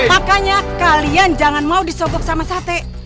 makanya kalian jangan mau disogok sama sate